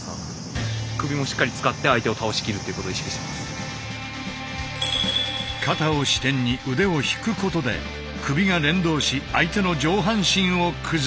更に肩を支点に腕を引くことで首が連動し相手の上半身を崩す。